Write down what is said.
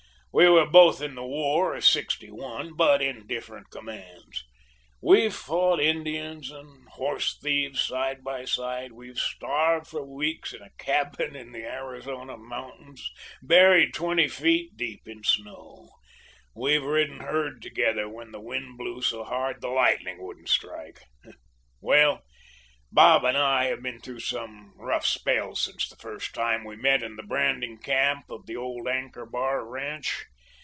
We were both in the war of 'sixty one, but in different commands. We've fought Indians and horse thieves side by side; we've starved for weeks in a cabin in the Arizona mountains, buried twenty feet deep in snow; we've ridden herd together when the wind blew so hard the lightning couldn't strike well, Bob and I have been through some rough spells since the first time we met in the branding camp of the old Anchor Bar ranch.